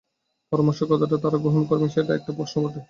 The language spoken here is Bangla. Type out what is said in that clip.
পরামর্শ কতটা তাঁরা গ্রহণ করবেন, সেটা একটা প্রশ্ন বটে।